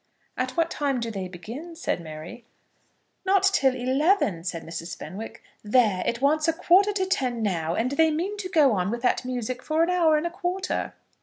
"At what time do they begin?" said Mary. "Not till eleven," said Mrs. Fenwick. "There, it wants a quarter to ten now, and they mean to go on with that music for an hour and a quarter."